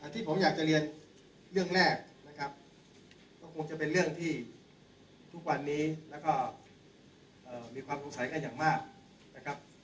ที่ผมอยากจะเรียนเรื่องแรกนะครับก็คงจะเป็นเรื่องที่ทุกวันนี้แล้วก็มีความสงสัยกันอย่างมากนะครับ